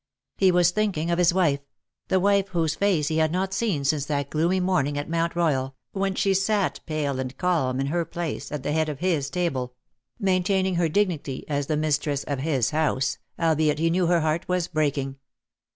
He was thinking of his wife — the wife whose face he had not seen since that gloomy morning at Mount Royal, when she sat pale and calm in her 93 place at the head of his table — maintaining her dignity as the mistress of his house^ albeit he knew her heart was breaking.